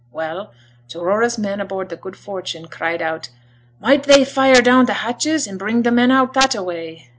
Well, t' Aurora's men aboard t' Good Fortune cried out "might they fire down t' hatches, and bring t' men out that a way?"